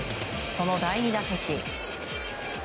その第２打席。